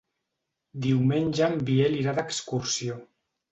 Diumenge en Biel irà d'excursió.